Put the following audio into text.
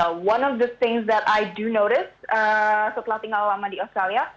salah satu hal yang saya perhatikan setelah tinggal lama di australia